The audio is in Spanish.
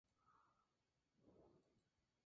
Entertainment, Inc.